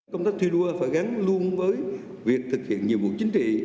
công tác thi đua phải gắn luôn với việc thực hiện nhiệm vụ chính trị